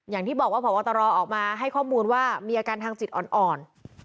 อย่างที่บอกว่าพบตรออกมาให้ข้อมูลว่ามีอาการทางจิตอ่อน